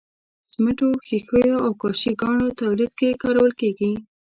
سمنټو، ښيښو او کاشي ګانو تولید کې کارول کیږي.